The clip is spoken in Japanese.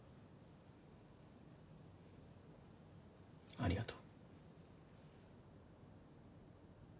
ありがとう。